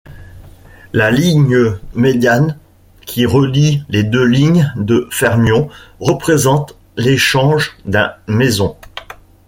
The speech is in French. La ligne médiane qui relie les deux lignes de fermions représente l'échange d'un méson.